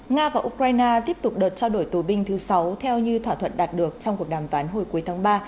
nga và ukraine tiếp tục đợt trao đổi tù binh thứ sáu theo như thỏa thuận đạt được trong cuộc đàm phán hồi cuối tháng ba